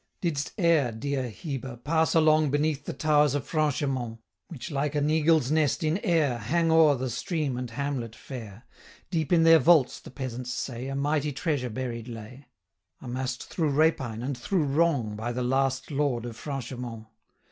Did'st e'er, dear Heber, pass along Beneath the towers of Franchemont, Which, like an eagle's nest in air, 170 Hang o'er the stream and hamlet fair? Deep in their vaults, the peasants say, A mighty treasure buried lay, Amass'd through rapine and through wrong By the last Lord of Franchemont.